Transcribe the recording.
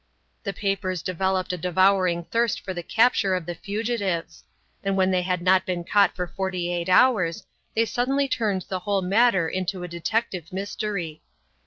The papers developed a devouring thirst for the capture of the fugitives; and when they had not been caught for forty eight hours, they suddenly turned the whole matter into a detective mystery.